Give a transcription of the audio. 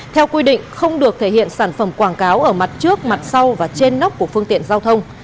theo quy định không được thể hiện sản phẩm quảng cáo ở mặt trước mặt sau và trên nóc của phương tiện giao thông